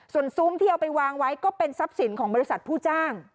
ส่วนซุ้มที่เอาไปวางไว้ก็เป็นทรัพย์สินของบริษัทผู้จ้าง